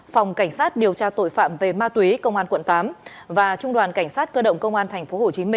phòng cảnh sát điều tra tội phạm về ma túy công an quận tám và trung đoàn cảnh sát cơ động công an tp hcm